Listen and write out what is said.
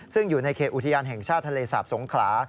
ซึ่งอยู่ในเขตอุทยานแห่งชาติทะเลสาบสงขลา